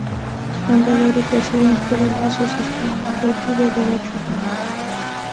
Es fundador y Presidente de la Asociación Marroquí de Derechos Humanos.